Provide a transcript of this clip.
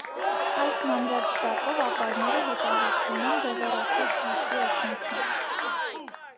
Այս մանրադիտակով ապարները հետազոտվում են բևեռացած լույսի օգնությամբ։